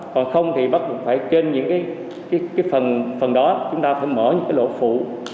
còn không thì bắt buộc phải trên những cái phần đó chúng ta phải mở những cái lỗ phủ